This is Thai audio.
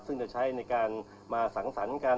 ซึ่งจะใช้ในการมาสังสรรค์กัน